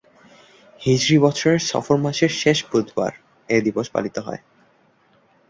হিজরি বছরের সফর মাসের শেষ বুধবার এ দিবস পালিত হয়।